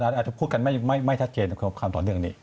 อาจจะพูดกันไม่ชัดเจนกับความต่อเนื่องนี้